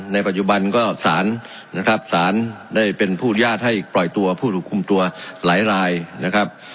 ในปัจจุบันก็สารนะครับสารได้เป็นผู้อนุญาตให้ปล่อยตัวผู้ถูกคุมตัวหลายรายนะครับ